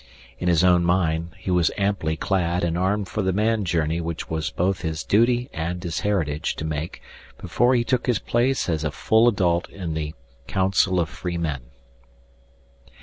In his own mind he was amply clad and armed for the man journey which was both his duty and his heritage to make before he took his place as a full adult in the Council of Free Men.